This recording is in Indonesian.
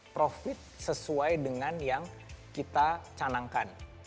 profit sesuai dengan yang kita canangkan